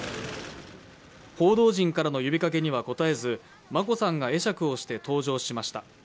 報道陣からの問いかけには応えず眞子さんが会釈をして搭乗しました。